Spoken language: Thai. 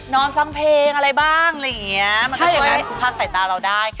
นอนฟังเพลงอะไรบ้างอะไรอย่างนี้มันก็ช่วยพักใส่ตาเราได้